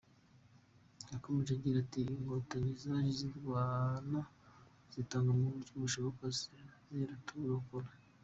Yakomeje agira ati” Inkotanyi zaje zirwana zitanga mu buryo bushoboka ziraturokora.